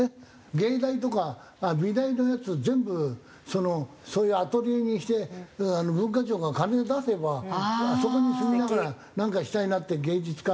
芸大とか美大のやつ全部そのそういうアトリエにして文化庁が金を出せばそこに住みながらなんかしたいなって芸術家。